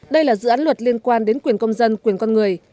đây là dự án luật liên quan đến quyền công dân quyền con người